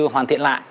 hoàn thiện lại